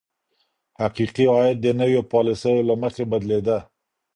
حقیقي عاید د نویو پالیسیو له مخي بدلیده.